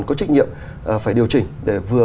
có trách nhiệm phải điều chỉnh để vừa